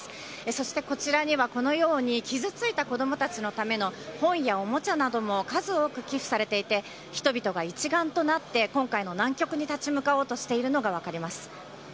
そしてこちらには、このように傷ついた子どもたちのための、本やおもちゃなども数多く寄付されていて、人々が一丸となって、今回の難局に立ち向かおうとしているのが分かります。